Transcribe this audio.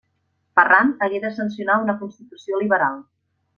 Ferran hagué de sancionar una Constitució liberal.